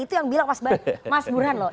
itu yang bilang mas burhan loh